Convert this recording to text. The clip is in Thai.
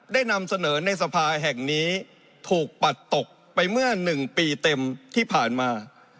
นำเสนอในสภาแห่งนี้ถูกปัดตกไปเมื่อ๑ปีเต็มที่ผ่านมา